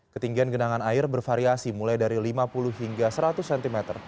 ketinggian genangan air bervariasi mulai dari lima puluh hingga seratus cm